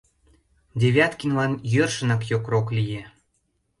Девяткинлан йӧршынак йокрок лие.